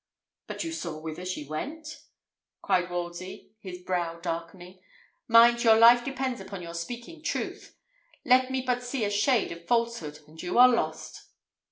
"But you saw whither she went?" cried Wolsey, his brow darkening. "Mind, your life depends upon your speaking truth! Let me but see a shade of falsehood, and you are lost!"